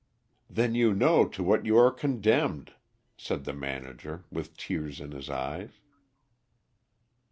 "Then you know to what you are condemned," said the manager, with tears in his eyes.